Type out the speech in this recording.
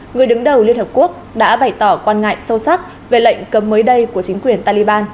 người đứng đầu liên hợp quốc đã bày tỏ quan ngại sâu sắc về lệnh cấm mới đây của chính quyền taliban